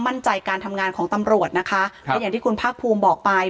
มั่นใจการทำงานของตำรวจนะคะและอย่างที่คุณภาคภูมิบอกไป